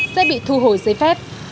sẽ bị thu hồi giấy phép